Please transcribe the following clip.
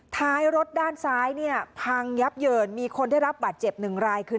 ท้ายรถด้านซ้ายเนี่ยพังยับเยินมีคนได้รับบาดเจ็บหนึ่งรายคือ